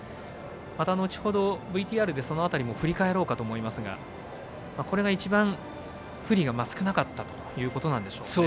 また後ほど、ＶＴＲでその辺りも振り返ろうかと思いますがこれが一番、不利が少なかったということでしょうかね。